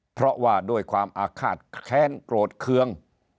เพราะว่าด้วยความอาฆาตแค้นโกรธเคือง